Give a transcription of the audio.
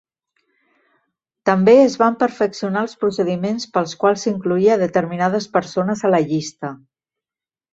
També es van perfeccionar els procediments pels quals s'incloïa determinades persones a la llista.